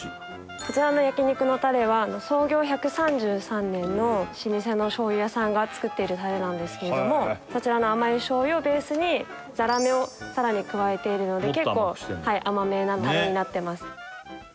こちらの焼肉のタレは創業１３３年の老舗の醤油屋さんが作っているタレなんですけれどもそちらの甘い醤油をベースにザラメをさらに加えているのでもっと甘くしてんだ結構甘めなタレになってます